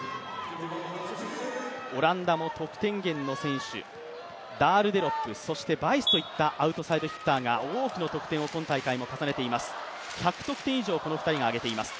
オランダも得点源の選手、ダールデロップ、バイスといったアウトサイドヒッターが多くの得点を今大会も重ねています。